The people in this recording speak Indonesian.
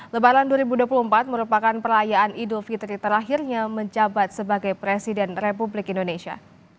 lebaran dua ribu dua puluh empat merupakan perayaan idul fitri terakhirnya menjabat sebagai presiden republik indonesia